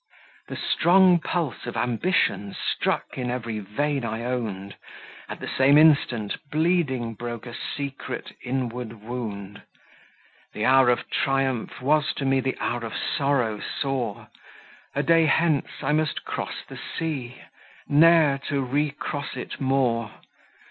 The strong pulse of Ambition struck In every vein I owned; At the same instant, bleeding broke A secret, inward wound. The hour of triumph was to me The hour of sorrow sore; A day hence I must cross the sea, Ne'er to recross it more.